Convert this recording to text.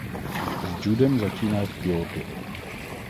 S judem začínal v Kjótu.